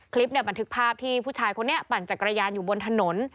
คลิปบันทึกภาพที่ผู้ชายคนนี้ปั่นจักรยานอยู่บนถนน